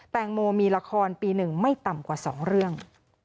แตงโมมีละครปี๑ไม่ต่ำกว่า๒เรื่อง